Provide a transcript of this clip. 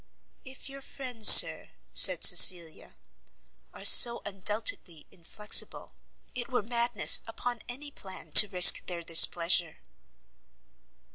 "If your friends, Sir," said Cecilia, "are so undoubtedly inflexible, it were madness, upon any plan, to risk their displeasure."